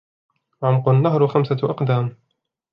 عُمق النهر خمسة أقدام.